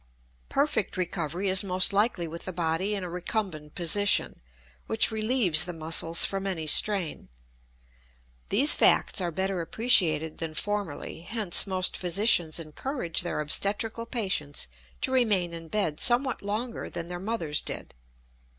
Perfect recovery is most likely with the body in a recumbent position, which relieves the muscles from any strain. These facts are better appreciated than formerly, hence most physicians encourage their obstetrical patients to remain in bed somewhat longer than their mothers did.